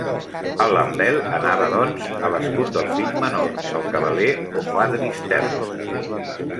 El lambel anava, doncs, a l'escut del fill menor, el cabaler o fadristern.